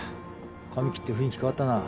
髪切って雰囲気変わったな。